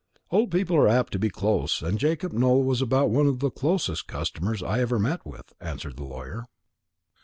"Old people are apt to be close; and Jacob Nowell was about one of the closest customers I ever met with," answered the lawyer.